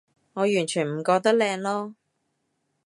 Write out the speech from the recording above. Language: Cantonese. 我完全唔覺得靚囉